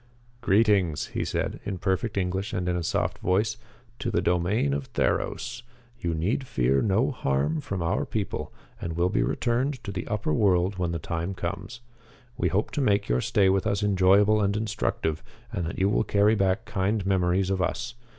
"Greetings," he said, in perfect English and in a soft voice, "to the domain of Theros. You need fear no harm from our people and will be returned to the upper world when the time comes. We hope to make your stay with us enjoyable and instructive, and that you will carry back kind memories of us.